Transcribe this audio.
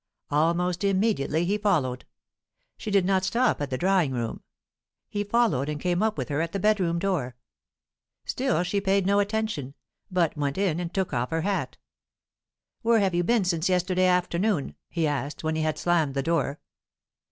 Almost immediately he followed. She did not stop at the drawing room; he followed, and came up with her at the bedroom door. Still she paid no attention, but went in and took off her hat. "Where have you been since yesterday afternoon?" he asked, when he had slammed the door.